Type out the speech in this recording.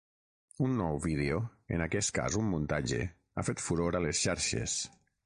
Un nou vídeo, en aquest cas un muntatge, ha fet furor a les xarxes.